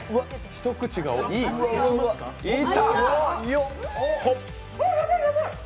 一口がいい。